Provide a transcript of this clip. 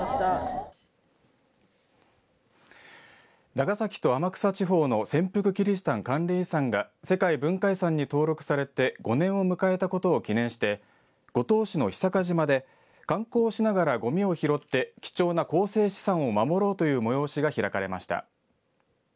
長崎と天草地方の潜伏キリシタン関連遺産が世界文化遺産に登録されて５年を迎えたことを記念して五島市の久賀島で観光しながらごみを拾って貴重な構成資産を守ろうという催しが開かれました。